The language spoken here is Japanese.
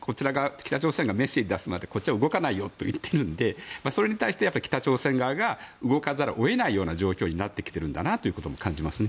北朝鮮がメッセージを出すまで動かないよと言っているわけでそれに対して、北朝鮮側が動かざるを得ない状況になってきているんだなと感じますね。